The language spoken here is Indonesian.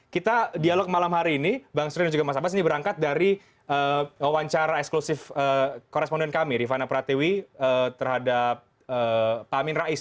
kita dialog malam hari ini bang surya dan juga mas abas ini berangkat dari wawancara eksklusif koresponden kami rifana pratiwi terhadap pak amin rais